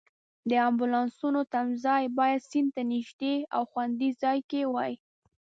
د امبولانسونو تمځای باید سیند ته نږدې او خوندي ځای کې وای.